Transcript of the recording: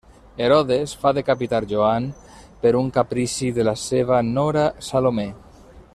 Herodes fa decapitar Joan per un caprici de la seva nora Salomé.